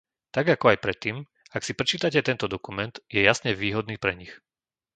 Tak, ako aj predtým, ak si prečítate tento dokument, je jasne výhodný pre nich.